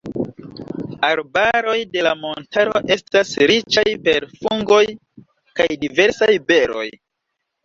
Arbaroj de la montaro estas riĉaj per fungoj kaj diversaj beroj.